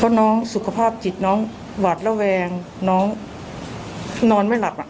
เพราะน้องสุขภาพจิตน้องหวัดระแวงน้องนอนไม่หลับอ่ะ